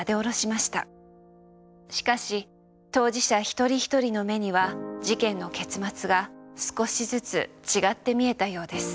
しかし当事者一人一人の目には事件の結末が少しずつ違って見えたようです。